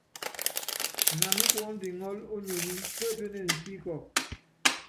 Ngana kuɔ́ndu iŋɔ́lɔ ónyonyí, pétuénen sí kɔkɔ.